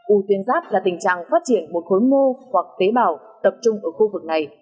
u tuyến giáp là tình trạng phát triển một khối mô hoặc tế bào tập trung ở khu vực này